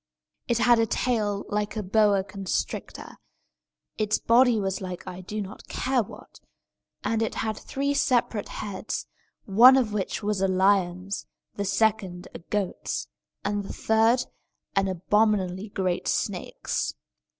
It had a tail like a boa constrictor; its body was like I do not care what; and it had three separate heads, one of which was a lion's, the second a goat's, and the third an abominably great snake's.